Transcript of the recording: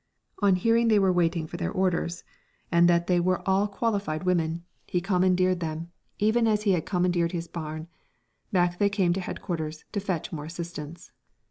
On hearing they were waiting for their orders, and that they were all qualified women, he commandeered them, even as he had commandeered his barn. Back they came to Headquarters to fetch more assistance.